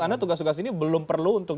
anda tugas tugas ini belum perlu untuk